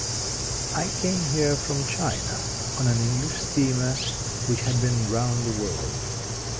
I came here from China on an English steamer which had been round the world.